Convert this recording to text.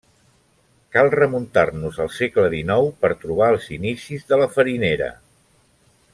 Cal remuntar-nos al segle dinou per trobar els inicis de la farinera.